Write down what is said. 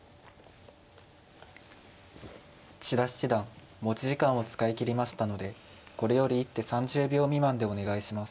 千田七段持ち時間を使い切りましたのでこれより一手３０秒未満でお願いします。